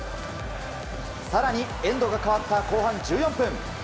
更にエンドが変わった後半１４分。